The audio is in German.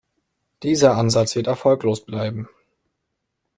Dieser Ansatz wird erfolglos bleiben.